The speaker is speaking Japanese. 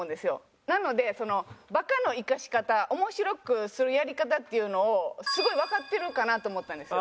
なのでバカの生かし方面白くするやり方っていうのをすごいわかってるかなと思ったんですよ。